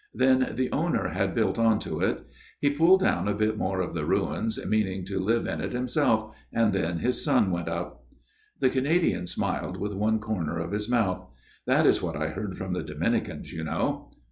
" Then the owner had built on to it. He pulled down a bit more of the ruins, meaning to live in it himself ; and then his son went up." The Canadian smiled with one corner of his mouth. " This is what I heard from the Dominicans, you know."